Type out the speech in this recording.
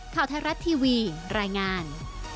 ข่าวไทยรัฐทีวีรายงาน